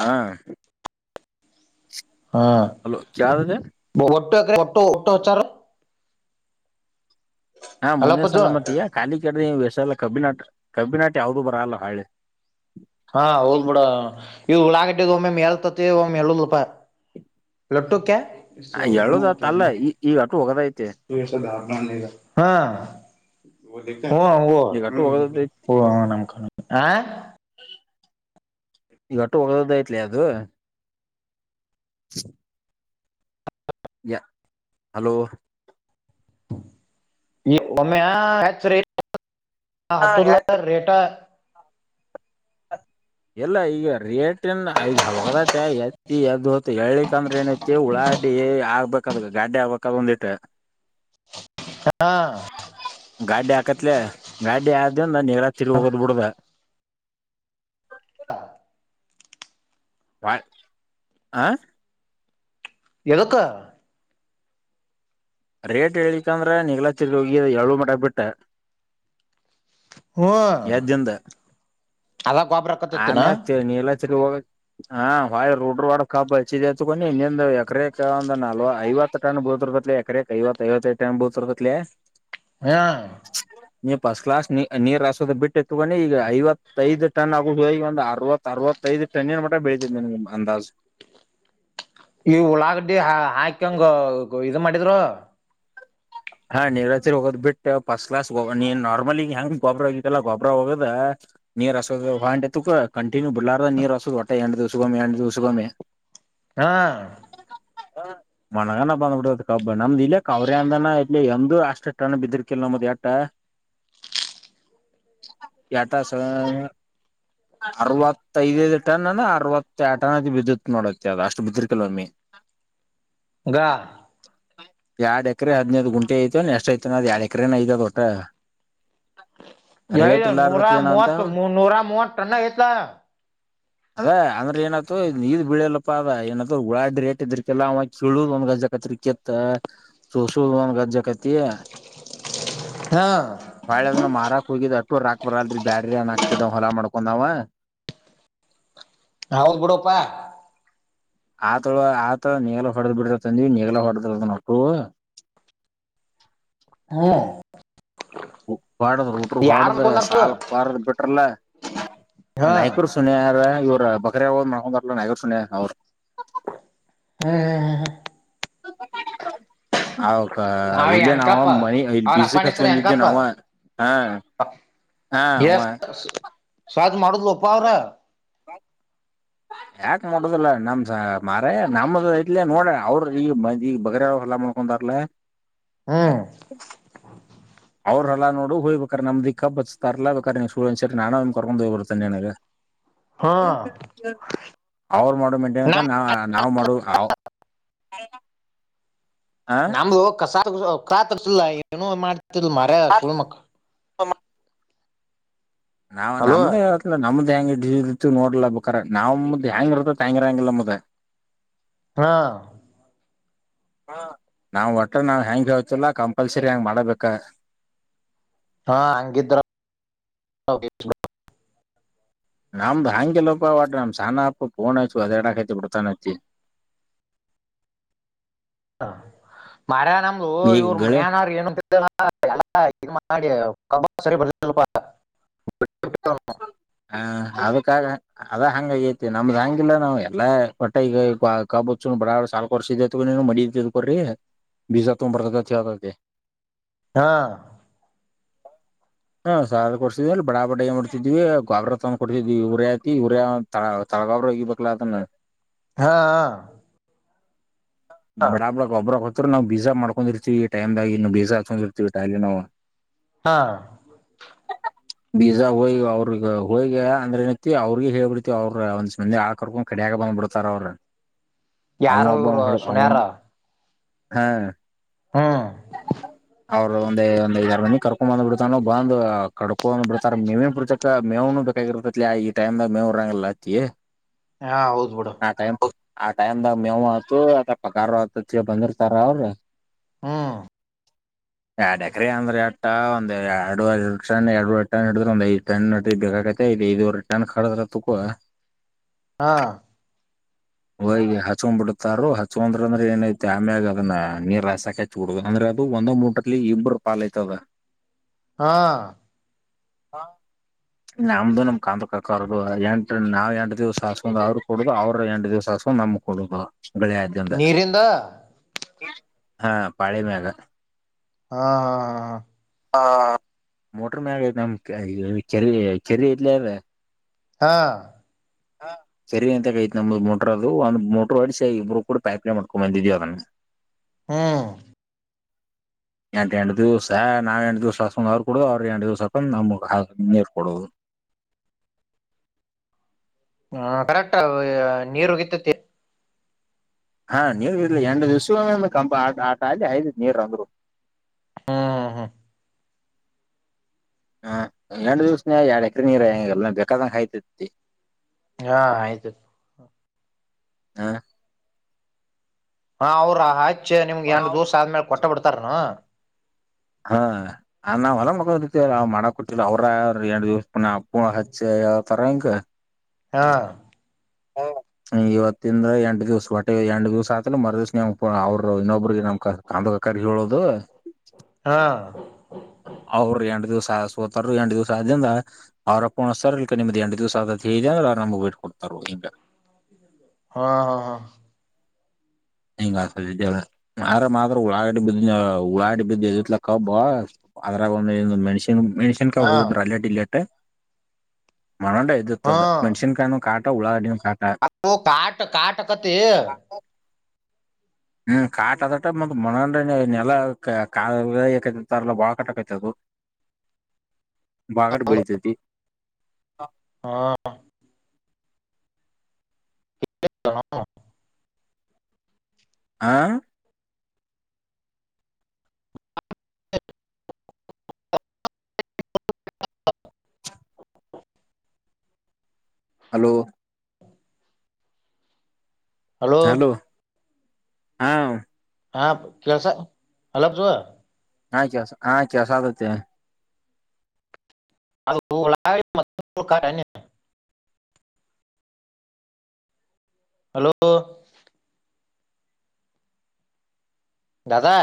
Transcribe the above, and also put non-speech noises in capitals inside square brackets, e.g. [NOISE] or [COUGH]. ಹಾ hello ಕ್ಯಾದಿದೆ [UNINTELLIGIBLE] Toto ಟೋಚಾರ ಹಾ ಅಲ್ಲ ಮುಂದನೇ ಪಜ್ಜು ಸಲ ಮತ್ತಯ ಖಾಲಿ ಕಡ [UNINTELLIGIBLE] ಕಬ್ಬಿನಾಟ ಕಬ್ಬಿನಾಟ ಯಾವದೂ ಬರಲ್ಲ ಹಳೆ ಹಾ ಹೌದ್ ಬಿಡ ಇ ಉಳಾಗಟ್ಟಿದ ಒಮ್ಮೆ ಎಳ್ತತಿ ಒಮ್ಮ [UNINTELLIGIBLE] ಲೊಟ್ಟುಕ್ಕೆ ಎದತ್ ಅಲ್ಲ ಈ ಈಗ ಅಟು ಹೋಗದಐತೆ [UNINTELLIGIBLE] ಹಾ ಹ ಹ ಈಗ ಅಟ್ಟು ಹೋಗದ ಓ ಹ ನಮಖ ಆ ಈಗಟ್ಟು ಒಗೊದಯಟ್ಲಿ ಅದು [INAUDIBLE] ಯ ಹಲೋ ಈ ಒಮ್ಮೆ ಹೆಚ್ಚ್ರಿ ಹ ಅತುಲ್ಲ ರೇಟಾ ಇಲ್ಲ ಈಗ ರಿಯಟನ್ ಈಗ [UNINTELLIGIBLE] ತ ಎತ್ತಿ ಅದುತ ಹೇಳಿ [UNINTELLIGIBLE] ಯಾಂದ್ರೆ ಏನೈತಿ ಉಳಾಡ್ಡಿ ಆಗ್ಬೇಕಲ್ ಗಾಡ್ಡಿ ಆಗ್ಬೇಕ ಒಂದಿಟ್ಟ ಹಾ ಗಡ್ಡಿ ಹಾಕತ್ಲೆ ಗಡ್ಡಿ ಆದಿನ್ ನ ನೀರಾತ್ರಿ ಹೋಗೋದ್ ಬಿಡ್ದ ವಾಯ ಆ ಎದಕ್ಕ ರೇಟ್ ಹೇಳಿಕಂದ್ರೆ ನಿಗ್ಲಾ ಚಿರ್ ಹೋಗಿ ಯಳ್ ಮಟ ಬಿಟ್ಟ ಹ್ಮ ಎದ್ದಿಂದ ಅದ ಗೊಬ್ರ ಆಕತೈತಿನ ಆಮೇ ನೀಲಚ್ಚ ಹೋಗ ಹಾ ವಾಯ ರುಡ್್ರ ರೋಡ ಕಬ್ಬಚ್ಚಿದ ಹಚ್ಕೊಂಡ ಇನ್ನ್ ಎಕರಕ್ ಒಂದ್ ನಲ್ವ ಐವತ್ತು ಟನ್ ಬೂತರ್ಗತ್ ಎಕ್ರಕ್ ಐವತ್ತು ಐವತ್ತೈದು ಟನ್ ಬೂತ್ರ್ಗತ್ಲ ಹಾ ನಿ ಪಸ್ ಕಲ ಅ ರ ಬಿಟ್ಟ ಎತ್ಕೊಂಡಿ ಈಗ ಐವತ್ತೈದ್ ಟನ್ ಆಗುದು ಈಗ ಒಂದು ಅರವತ್ ಅರವತ್ತೈದು ಟನ್ ಏನ್ ಮ ಬೆಳತ್ ನಿನ್ಗೆ ಅಂದಾಜ ಈ ಉಳ್ಳಾಗಡ್ಡಿ ಹಾಕಂಗ ಇ ಮಾಡ ಮಾಡಿದ್ರು ಹಾ ನೀವರಾತ್ರಿ ಹೋಗೋ್ ಬಿಟ್ಟು ಫಸ್ಟ್ ಕ್ಲಾಸ್ ನೀ ನಾರ್ಮಲಿಗ್ ಹೆಂಗ ಗೊಬ್ಬ್ರ ಆಗತ್ತಲ್ಲಾ ಗೊಬ್ರರ ಹೋಗೋದ ನೀರ್ ಹಸೋದ ಹೊಂಟ ಕಂಟಿನ್ಯೂ ಬಿಲಾರದ ನೀರ್ ಹಸೋದ್ ಹೊಟ್ಟೆ ಎಣ ದಿವಸಗೊಮಿ ಎಂಡ ದಿವ್ಸಗೊಮಿ ಹಾ ಹ ಮಣಗನ ಬಂದ್ಬಿಡತ್ ಕಬ್ಬ ನಮ್ದ್ ಇಲ್ಲಕ್ ಅವರಿ್ಯ ಅಂದನ ಇಲ್ಲಿ ಎ್ದ ಅಷ್ಟ ಟನ್ ಬಿದಿರ್ಕಿಲ್ಮ್ಮದ ಎಟ ಎಟ ಅರವತ್ತಐದೈದು ಟನ್ ಅ ಅರವತ್ತ ಟನ್ ಅದ ಬಿದತ್ ನೋಡತ್ತೆ ಅದ ಅಷ್ಟು ಬಿದಿರ್ಕಲ್ವಮ್ಮಿ ಗಾ ಯರಡ್ ಎಕರೆ ಹದಿನೈದು ಗಂಟು ಐತ ಎಷ್ಟ್ ಐತ ನ ಅ್ ಎಡ್ ಎಕರೆನ ಐತ ಒಟ್ಟ ಯ ರೇಟ್ ನೂರ ಇಲ್ಲಾರದಕ್ ಏನ ಅಂತ ಮೂವತ್ತು ನೂರ ಮೂವತ್ತು ಟನ್ನ ಇತ ಅದ ಅಂದ್ರೆ ಏನ್ತು ನೀದ ಬಿಳಿಯಲ್ಲಪ್ಪಾ ಅದ ಏನತ ಉಳಾಡ್ಡಿ ರೇಟ್ ಇದ್ರಕ್ಕೆಲ್ಲ ಅವ ಕೀಳುದ್ ಒಂದ ಗಜ್ಜಕತ್ ಕೆತ್ತ ಸೋಸುದ ಒಂದ್ ಗಜ್ಜ ಕತೆಯ ಹಾ ವಳದ ಮಾರಾ ಕೊೋಗಗ ಬರಲ್ೀ ಬ್ಯಾಡರಿ ನ್ ಆಗ್ತದೆ ಹೊಲ ಮಾಡ ಕಂದಾವ ಹೌದ್ ಬಿಡಪ್ಪಾ ಆತಳ ಆತಳ ನೀಗಲ ಹೊಡೆದ್ ಬಿಡತಂದಿ ನೀಗ್ಲ ಹೊಡೆದದ ಮಕ್ಕಳು ಹ್ಮ್ ಹೊಡದ ಟ್ರ ಯಾರ್ ಹೊಡ್ದ ಅನ್ಕೊಂಡಾರ್ಪ ಸಾಾಲ ಬಾರದ್ ಬಿಟ್ರಲ್ಲ ಆ ಹಾ ನಾಯಕರು ಸುನಿಯಾರ ಇವ್ರ ಬಕರಿ ಅವ ಮಾಡೊಂಡಂತಲ್ಲ ನಗಸುನ ಅವರು ಹ್ಮ್ ಅವಕ ಅವ ಇಲ್ಲೇ ನ ಎಂಕಪ್ಪ ಮನಿ ಇಲ್ಲಿ ಅವ್ರ ಬಿಸಿ ಅಪ್ಪನ ಕ ಹೆಸರು ಹಚ್ಕೊಂಡಿದ್ದೆ ಎಂಕಪ್ಪ ನಾವ ಹಾ ಹಾ ಅವ ಸ್ ್ ಮಾಡುದ್ ಒಪ್ಪ ಅವ್ರ ಯಾಕ ಮಾಡೋುದಲ್ಲ ನಮಸ ಮಾರ ನಮ್ದ ಇ್ಲ ನೋಡ ಅವ್ರ ಈಗ್ ಈಗ ಬಗರ ಎಲ ಮಾಡ್ಕೊಂತಾರಲ ಹ ಹ್ಮ್ ಅವ್ರಲ್ಲಾ ನೋಡು ಹೋಗ್ಬೇಕಾರೆ ನಮ್ಿಕ್ಕ ಬತಾರ್ಲಾ ಬೇಕಾರೆ ನಿ್ ಸೂಡೆಂಟ್ಸ್ ನಾನುಮ ಕಕೊಂಡು ಹೋಗ್ಬತ ತೆನಗೆ ಹಾ ಅವರು ಮಾಡು ಮೆಂಟೇನ್ಕ ನಮ್ ನ ನಾವ್ ಮಾಡು ಅ ನಾ ಕಸಾಯ ಕಾ ತರ್ಿಲ್ಲ ಏನು ಮಾಡ್ ತ್ತ ಮಾರ ಸುಣ ಮ ಸಮ ನಾವ್ ಹಲೋ ನಮ್ದೇ ನಮ್ದ್ ಅಂಗಡಿ ಇತ್ತು ನೋಡ್ಲ ಬೇಕಾರ ನಾವವು ಮ್ದ ಹೆಂಗ್ ಇರ್ತ ಹಂಗ ಇರಂಗಿಲ್ಲ ಮ್ದ ಹಾ ನಾವ್ ಒಟ್ರ ನಾವ್ ಹೆ್ಯಾಂಗಗೆ ಹೇತಿಲ್ಲಾ ಕಂಪಲ್ಸರಿ ಹೆ್ಯಾಂಗ್ ಮಾಡಬೇಕ ಹಾ ಅಂಗಧ್ರ ಆಮದು ಹಾಂಗೆ ಲೋಪ ಆಮ ಸಾನ ಆೋ ಪನ ಹಚ್ಚು ಅದಾರಡಕಾಯತಿ ಪಡ್ತಾ ಮಾರ ನಮ್ ಈಗ ಇವ್ರು ಗಳೆ ಮನ್ಯಾನ ಏನ ಎಲ್ಲ ಇ ಮಾಡಿರಿ ಸ್ವಲ್ಪ ಹ ಅದಕ್ಕಾಗ ಅದ ಹಂಗಗೈತಿ ನಮ್ದ್ ಹಂಗಿಲ್ಲ ನಾವ್ ಎಲ್ಲಾ ಒಟ್ಟೆ ಈಗ ಕಾಬು ಚೂ ಬಡಾ ಸಾಾಲಲ್ಕ್ ವರ್ಷ ಇದೈತೆಗ ನೀನು ಮಡಿಕೋ್ರಿ ಬೀಜಾತ್ ಬರ್ತತತಿತತಿ ಹಾ ಹಾ ಸ ಕೊಡ್ಸಿದ ಬಡ ಏನ್ ಮಾಡ್ತಿದ್ವಿ ಗೊಬ್ರ ತ ಕೊಡ್ತಿದ್ವಿ ಉರಿಯ ಹತಿ ಉರಿಯ ತ ತಳಗೊಬ್ರ ಹಗಿಬೇಕಾ ಅದನ್ನ ಹಾ ಹ ಬಡಾಬ್ಳ ಒಬ್ರಕ್ ಹತ್ರು ನಾವು ಬೀಜ ಮಾಡ್ಕೊಂಡಿರ್ತಿೀವಿ ಈ ಟೈಮ್್ದಾಗಿ ಇ ಬೀಜ ಹಾಚ್ಕೊಂಡಿರ್ತಿವಿ ಟೈಲಿ ನಾವು ಹಾ ಬೀಜ ಹೋಗಿ ಅವ್ರಗ್ ಹೋಗಿ ಅಂದ್ರೆ ಏನತ್ತತಿ ಅವ್ರಿ ಹೇಳ್ಬಿಡ್ತಿವ ಅವ್ರ ಒಂದ್ ಮಂದಿ ಆಳ್ಕರ್ಕೊಂಡ ಕಡಿಯಾಗ ಬಂದ್ ಬಿಿಡ್ತಾರ ಅವ್ರರು ಯಾರು ಇರು ಸುನ್ಯಾರ ಹಾ ಹಾ್ ಅವ್ರರು ಒಂದ ಒಂದ ಐದಾರರ ಮಂದ ಕಕೊ ಬಂದ್ ಬಿಡ್ತಾರೋ ಬಂದ್ ಕಡ್ಕೊಂದ್ ಬಿಡ್ತಾರ ಮೇವನ್ ಬಿುರ್ಚಕ ಮೇವನು ಬೇಕಾಗಿರತತ್ಲ ಈ ಟೈಮ್ ಮೇವ ಇರಂಗಲ್ಲ ಅತ್ತತಿ ಹಾ ಹೌದು ಬಡ ಆ ಆ ಟೈಮ್ಾಗ ಮೇವ್ ಆಯತು ಅ ಪಗಾರ್ ಆತತ್ ಬಂದಿರ್ತಾರ ಅವ್ರ ಹ್ಮ ಎಡಕ್ರಿ ಅಂದ್ರ ಅಟ್ಟ ಒಂದ್ ಎರಡು ರಿಟರ್ನ್ ಎರಡು ರಿಟರ್ನ್ ಹಿಡಿದ್ರ ಒಂದ್ ಐದು ಟರ್ನ್ ಹಡ್ರಿ ಬೇಕಾಗತ್ತದ್ ಐದೂ ರಿಟರ್ನ್ ಕದ್ರ ತಕ ಹಾ ಹೋಗ ಹಚ್ಕೊಂಡ್ ಬಿಡ್ತಾರ ಹಚ್ಂದ್ರ ಅಂದ್ರೆ ಏನೈತಿ ಆಮ್ಯಾಗ ಅದನ್ನ ನೀರ್ ಹಸಕಚ್ಚ ಡ ಅಂದ್ರೆ ಅದು ಒಂದೊ್ ಮೂಟಲಿ ಇಬ್ಬರು ಪಾಲ್ಐತದ ಹಾ ಹ ನಮ್ದು ನಮ್ ಕಾಂ್ರ ಕಕಾರದು ಎಂಟ ನಾವ್ ಎಂಟು ದಿವ್ಸ ಹಾಸ್ಕೊಂಡ್ ಅವ್ರ ಕೊಡುದು ಅವ್ರ ಎಂಟು ದಿವ್ಸ ಹಾಕಕೊಂಡ್ ನಮ್ ಕೊಡುದು ಬೆಳಿ ಆ್ದಂತ ನೀರಿಂದ ಹಾ ಪಳೆಮೇಘ ಹಾ ಹಾ ಹಾ ಹಾ ಹ ಮೋಟ್ರ ಮ್ಯಾಗಐ ನಮ್ ಚರಿ ಚರ್ರಿ ಇದ್ಲವೆ ಹಾ ಹ ಸರಿ ಅಂತಗೈತ್ ನಮ್ದ ಮೋಟ್ರ ಅದು ಒಂದ ಮೋಟ್ರರ್ ಹೊಡಿಸಿ ಇಬ್ರು ಕೂಡ ಪೈಪ್ಲೇ ಮಾಡ್ಕೊಂಡ್ ಬಂದಿದೀವಿ ಅದನ್ನ ಹ್ಮ್ ಎಂಟು ಎಂಟ ದಿವ್ಸ ನಾವ್ ಎಂಟು ದಿವ್ಸ ಹಾಸ್ಕೊಂಡ್ ಅವ್ರ ಕೊಡ ಅವ್ರ ಎಂಟ ದಿವ್ಸ ಹಾಕೊಂಡ್ ನಮ್ರು ಕೊಡುದು ಹ ಕರೆಕ್ಟ್ ನೀರುಗಿತ್ತತಿ ಹಾ ನೀರ್ ಬಿರ್ಲಿ ಎಂಡ ದಿವ್ಸ ಕಂ ಆಟ ಆ ಐದ ನೀರ್ ಅಂದ್ರು ಹ್ಮ್ ಹ್ಮ್ ಹಾ ಎರಡು ದಿವಸನಯ ಎರಡ್ ಎಕ್ರ ನೀರ ಹೆಂಗ ಎಲ್ಲ ಬೇಕಾದಂಗ ಆಾಯ್ತತಿ ಹಾ ಆಯ್ತು ಹಾ ಹಾ ಅವ್ರಾ ಆಯ್ತು ಅಚ್ಚ ನಿಮ್ಗೆರಂಡಡು ದಿವಸ ಆದ್ಮೇಲೆ ಕೊಟ್ಟ ಬಿಡ್ಾರನು ಹಾ ನಾವ್ ಹೊಲ ಮಕತಿ ಮಾಡಕ್ ಕೊಟ್ಟಿ ಅವ್ರ ಅವ ಎರ ದಿವ್ಸ ಪುರ್ಣ ಅಪ್ಪು ಹಚ್ಚಿ ಯಾವತರ ಹಂಂಗ ಹಾ ಇವತ್ತಿಂದ್ರ ಎಂಟು ದಿವ್ಸ ಹೊಟ್ಟೆ ಎಂಟ ದಿವ್ಸ ಆತ್ಲ ಮರ ದಿವ್ಸ ನಮ ಅವರು ಇನ್ನೊಬ್ರಿಗೆ ನಮ್ ಕಾಂದಕಾರಿ ಹೇಳುದು ಹಾ ಅವ್ರು ಎಂಂಡ ದಿವ್ಸ ಆದ ಸೋತಾರ ಎಂಂಡ ದಿವ್ಸ ಆದಿಂದ ಅವ್ರಪ್ಪ ಉಣ್ತಾರ ಇಕ ನಿಮ್ದ್ ಎಟು ದಿವ್ಸ ಆದದ ಹೇಳ ಅಂದ್ರ ನಮ್ಗ್ ಬಿಟ್ ಕೊಡ್ತಾರ ಹಿಂಗ ಹಾ ಹಾ ಹಾ ಹಂಗ ಆರ ಮಾತ್ರ ಉಳಾ ಬ ಉಳಾಟ ಬಿದ್ದ ಎತ್ಲ ಕಬ್ಬ ಅದ್ರ ಒ ಮಷ ಮೆಣಷಸನ್ಕ ಹಾ ಹೋಗುದಿದ್ರ ಅಲ್ಲಾ ಇಲ್ಲಾಟ್ಟ ಮಾಡಣೋೊಂಡ ಎ್ತ್ತದ ಮಣಸಿನ್ ಕಾಯ ಕಾ ೌಳ ಅಡ್ ಹ ಕಾಟ ಕಾಟ ಕತಿ ಹ್ಮ್ ಕಾಟ್ ಅದಟ ಮ ಮನರನೆ ನೆಲ್ಲ ಕಲ್ಲ ಬಾಳ ಕಾಟಕೈತದು ಬಾಗಟ್ ಬೆೀಳಿತತಿ ಹ ಹಾ ಹ ಆಾ ಹಲೋ ಹಲೋ ಹಾ ಹಾ ಕೆಳ್ಸ ಅಲಬ್ ಜ ಆಾ್ ಕೆ ಹಾ್ ಕೆಲಸ ಆಗುತ್ತೆ ಅದು ಆಡಿ ಮತ್ತು ಉಳಕಾಡ್ಣ್ಣ ಹಲೋ ದಾದಾ